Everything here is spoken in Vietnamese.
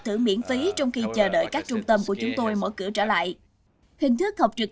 thử miễn phí trong khi chờ đợi các trung tâm của chúng tôi mở cửa trở lại hình thức học trực